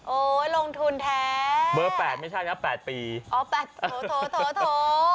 โอ้ยลงทุนแท้เบอร์แปดไม่ใช่นะแปดปีอ๋อแปดโถโถโถโถโถ